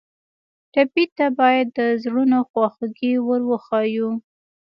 ټپي ته باید د زړونو خواخوږي ور وښیو.